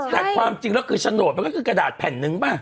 แต่ความจริงแล้วคือโฉนดมันก็คือกระดาษแผ่นนึงป่ะ